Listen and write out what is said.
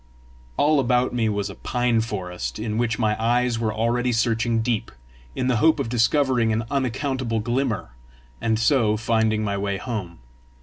All about me was a pine forest, in which my eyes were already searching deep, in the hope of discovering an unaccountable glimmer, and so finding my way home.